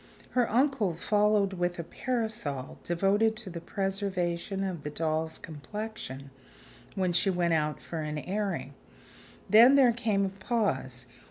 Her uncle followed with a parasol, devoted to the preservation of the doll's complexion when she went out for an airing. Then there came a pause.